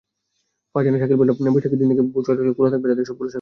ফারজানা শাকিলপয়লা বৈশাখের দিন ভোর ছয়টা থেকে খোলা থাকবে তাদের সবগুলো শাখা।